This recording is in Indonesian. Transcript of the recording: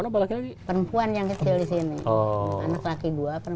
perempuan yang kecil di sini